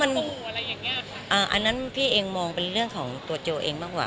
อันนั้นพี่เองมองเป็นเรื่องของตัวโจเองบ้างว่า